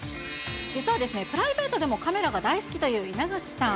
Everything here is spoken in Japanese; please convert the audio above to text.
実は、プライベートでもカメラが大好きという稲垣さん。